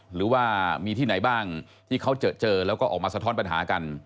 หรือว่ามีที่ไหนบ้างที่เขาเจอแล้วก็ออกมาสะท้อนปัญหากัน